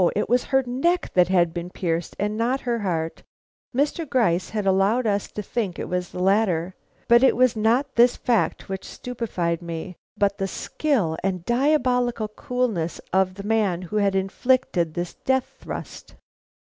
it was her neck that had been pierced, and not her heart. Mr. Gryce had allowed us to think it was the latter, but it was not this fact which stupefied me, but the skill and diabolical coolness of the man who had inflicted this death thrust.